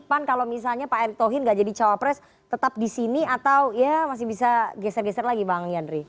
pan kalau misalnya pak erick thohir gak jadi cawapres tetap di sini atau ya masih bisa geser geser lagi bang yandri